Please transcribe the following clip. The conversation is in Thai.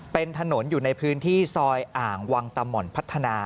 เป็นถนนอยู่ในพื้นที่ซอยอ่างวังตะหม่อนพัฒนา